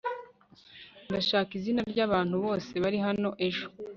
ndashaka izina ryabantu bose bari hano ejo